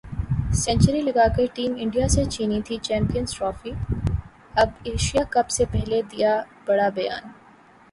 century لگا کر team India سے چھینی تھی چمپئنز ٹرافی ، اب ایشیا کپ سے پہلے دیا بڑا بیان